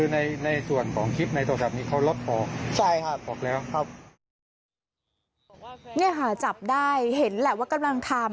นี่ค่ะจับได้เห็นแหละว่ากำลังทำ